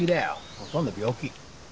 ほとんど病気。